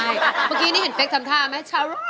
อยู่ด้วยกันก่อน